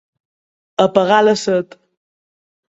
Apagar la set.